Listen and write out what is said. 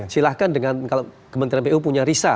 silahkan dengan kalau kementerian pu punya risa